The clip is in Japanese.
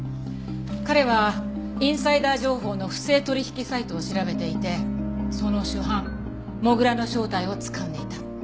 彼はインサイダー情報の不正取引サイトを調べていてその主犯土竜の正体をつかんでいた。